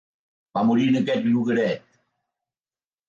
Va morir en aquest llogaret.